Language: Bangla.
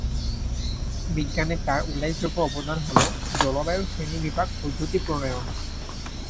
বিজ্ঞানে তার উল্ল্যেখযোগ্য অবদান হলো জলবায়ুর শ্রেণীবিভাগ পদ্ধতি প্রণয়ন।